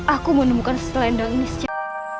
aku menemukan selendang ini secara